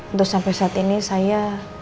untuk sampai saat ini saya